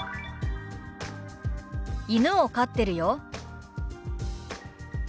「犬を飼ってるよ」。